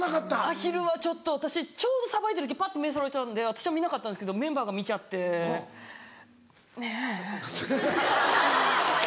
アヒルはちょっと私ちょうどさばいてる時パッて目そらしたんで私は見なかったんですけどメンバーが見ちゃって。ねぇ。